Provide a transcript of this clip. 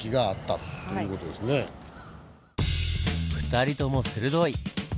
２人とも鋭い！